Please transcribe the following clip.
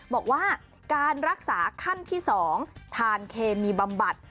บอกว่าการรักษาขั้นที่๒ทานเคมีบำบัด